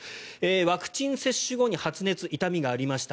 ワクチン接種後に発熱、痛みがありました。